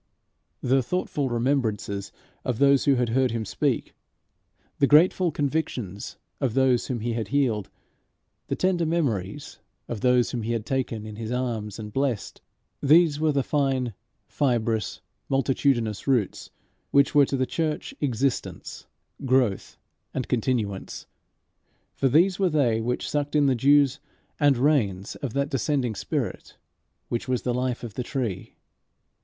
The thoughtful remembrances of those who had heard him speak; the grateful convictions of those whom he had healed; the tender memories of those whom he had taken in his arms and blessed these were the fine fibrous multitudinous roots which were to the church existence, growth, and continuance, for these were they which sucked in the dews and rains of that descending Spirit which was the life of the tree.